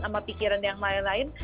sama pikiran yang lain lain